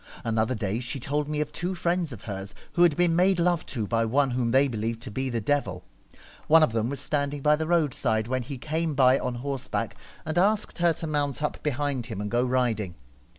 Another day she told me of two friends of hers who had been made love to by one whom they believed to be the devil. One of them was standing by the road side when he came by on horseback, and asked her to mount up behind him, and go riding.